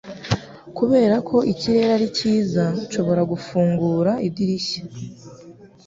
Kubera ko ikirere ari cyiza, nshobora gufungura idirishya?